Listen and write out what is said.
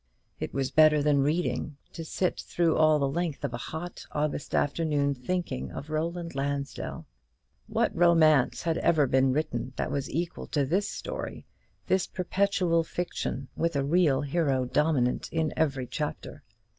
It was better than reading, to sit through all the length of a hot August afternoon thinking of Roland Lansdell. What romance had ever been written that was equal to this story; this perpetual fiction, with a real hero dominant in every chapter?